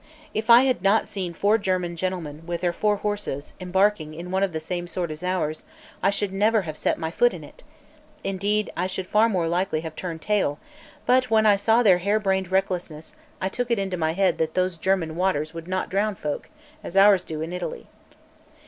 If I had not seen four German gentlemen, with their four horses, embarking in one of the same sort as ours, I should never have set my foot in it; indeed I should far more likely have turned tail; but when I saw their hare brained recklessness, I took it into my head that those German waters would not drown folk, as ours do in Italy.